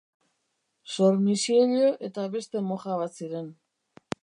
Sor Misiello eta beste moja bat ziren.